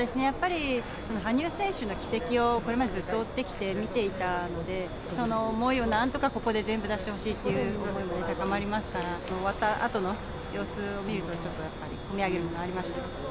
やっぱり羽生選手の軌跡をこれまでずっと追ってきて、見ていたので、その思いをなんとかここで全部、出してほしいという思いも高まりますから、終わったあとの様子を見るとちょっと、込み上げるものがありました。